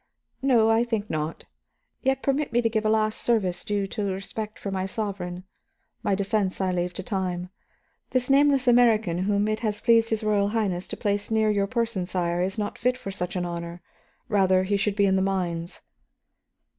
"No, I think not." "Yet permit me to give a last service due to respect for my sovereign. My defense I leave to time. This nameless American whom it has pleased his Royal Highness to place near your person, sire, is not fit for such an honor. Rather he should be in the mines."